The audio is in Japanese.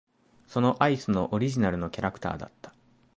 そのアイスのオリジナルのキャラクターだった。